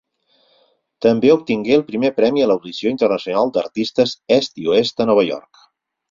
També obtingué el primer premi a l’Audició Internacional d’Artistes Est i Oest a Nova York.